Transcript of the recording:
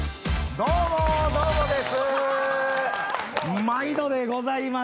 どうも、どうもです。